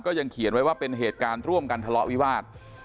ยังเขียนไว้ว่าเป็นเหตุการณ์ร่วมกันทะเลาะวิวาส